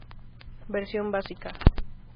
Versión básica.